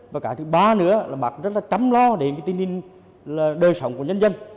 và cái thứ ba nữa là bác rất là chăm lo đến cái tình hình đời sống của nhân dân